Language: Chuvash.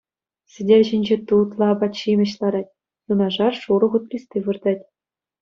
Сӗтел ҫинче тутлӑ апат-ҫимӗҫ ларать, юнашар шурӑ хут листи выртать.